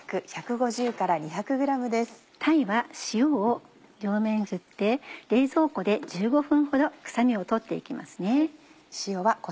鯛は塩を両面に振って冷蔵庫で１５分ほど臭みを取って行きますね。